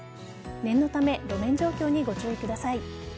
念のため路面状況にご注意ください。